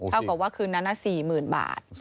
เท่ากับว่าคืนนั้น๔๐๐๐บาท